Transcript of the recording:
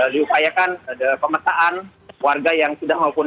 diupayakan ada pemetaan warga yang sudah maupun